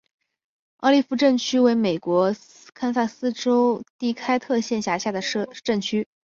奥利夫镇区为美国堪萨斯州第开特县辖下的镇区。